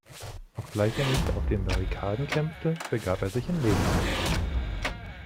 Obgleich er nicht auf den Barrikaden kämpfte, begab er sich in Lebensgefahr.